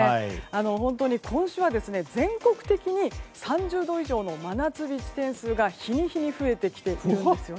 本当に今週は全国的に３０度以上の真夏日地点数が日に日に増えてきているんです。